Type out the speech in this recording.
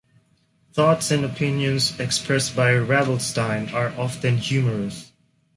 Thoughts and opinions expressed by Ravelstein are often humorous.